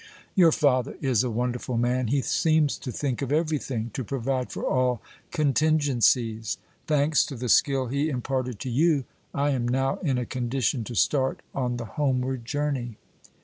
"Your father is a wonderful man; he seems to think of everything, to provide for all contingencies. Thanks to the skill he imparted to you, I am now in a condition to start on the homeward journey."